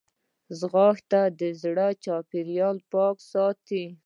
ځغاسته د زړه چاپېریال پاک ساتي